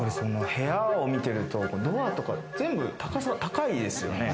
部屋を見てると、ドアとか全部高さ、高いですよね。